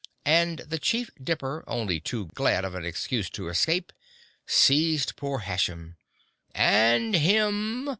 And the Chief Dipper, only too glad of an excuse to escape, seized poor Hashem. "_And him!